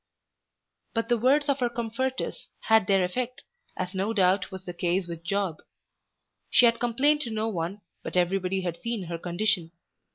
But the words of her comforters had their effect, as no doubt was the case with Job. She had complained to no one, but everybody had seen her condition.